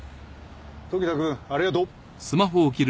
時田くんありがとう。